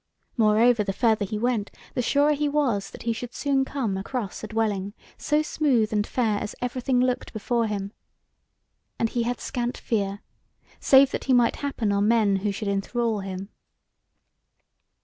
Moreover the further he went, the surer he was that he should soon come across a dwelling, so smooth and fair as everything looked before him. And he had scant fear, save that he might happen on men who should enthrall him.